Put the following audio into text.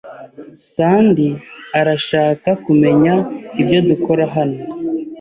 Sandy arashaka kumenya ibyo dukora hano.